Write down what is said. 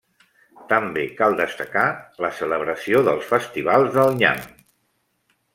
També cal destacar la celebració dels festivals del nyam.